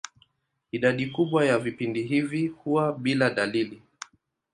Idadi kubwa ya vipindi hivi huwa bila dalili.